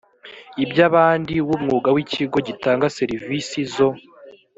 iby abandi w umwuga w ikigo gitanga serivisi zo